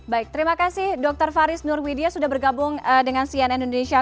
baik terima kasih dokter faris nurwidia sudah bergabung dengan cn indonesia